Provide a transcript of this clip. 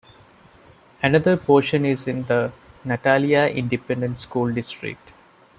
Another portion is in the Natalia Independent School District.